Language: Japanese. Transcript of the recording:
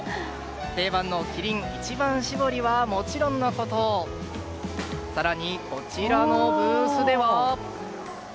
定番のキリン一番搾りはもちろんのこと更に、こちらのブースでは。